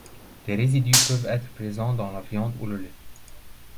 Des résidus peuvent être présents dans la viande ou le lait.